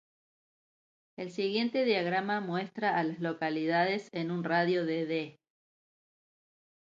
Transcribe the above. El siguiente diagrama muestra a las localidades en un radio de de.